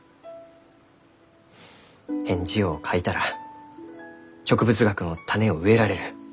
返事を書いたら植物学の種を植えられる。